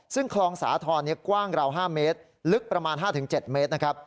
ซึ่งคลองสาธรณ์กว้างราว๕เมตรลึกประมาณ๕๗เมตรนะครับ